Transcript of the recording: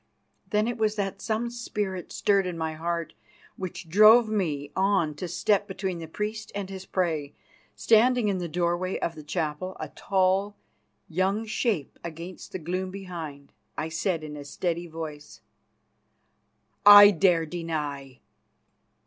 Then it was that some spirit stirred in my heart which drove me on to step between the priest and his prey. Standing in the doorway of the chapel, a tall, young shape against the gloom behind, I said in a steady voice: "I dare deny!"